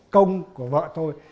công của vợ tôi